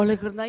oleh karena itu